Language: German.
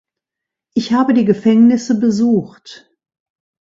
Ich habe die Gefängnisse besucht.